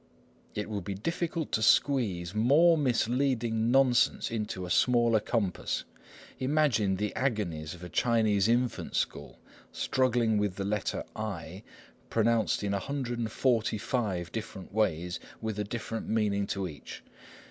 It would be difficult to squeeze more misleading nonsense into a smaller compass. Imagine the agonies of a Chinese infant school, struggling with the letter I pronounced in 145 different ways, with a different meaning to each!